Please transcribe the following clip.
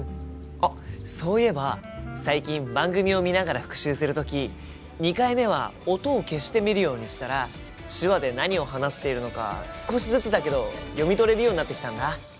あっそういえば最近番組を見ながら復習する時２回目は音を消して見るようにしたら手話で何を話しているのか少しずつだけど読み取れるようになってきたんだ。